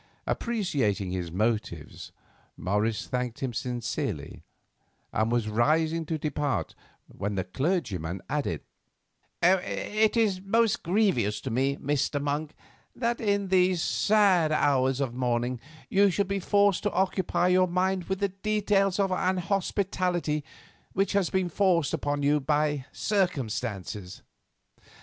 Appreciating his motives, Morris thanked him sincerely, and was rising to depart, when the clergyman added: "It is most grievous to me, Mr. Monk, that in these sad hours of mourning you should be forced to occupy your mind with the details of an hospitality which has been forced upon you by circumstances.